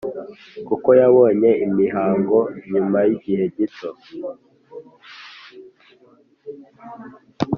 kuko yabonye imihango nyuma yigihe gito